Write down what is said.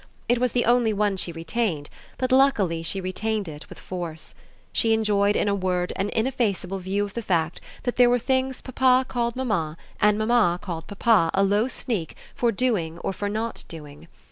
It was the only one she retained, but luckily she retained it with force. She enjoyed in a word an ineffaceable view of the fact that there were things papa called mamma and mamma called papa a low sneak for doing or for not doing.